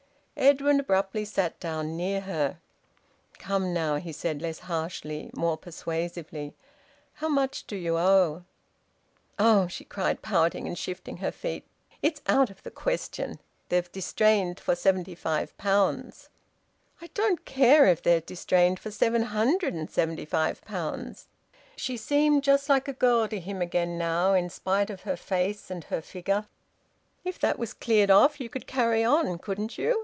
Edwin abruptly sat down near her. "Come, now," he said less harshly, more persuasively. "How much do you owe?" "Oh!" she cried, pouting, and shifting her feet. "It's out of the question! They've distrained for seventy five pounds." "I don't care if they've distrained for seven hundred and seventy five pounds!" She seemed just like a girl to him again now, in spite of her face and her figure. "If that was cleared off, you could carry on, couldn't you?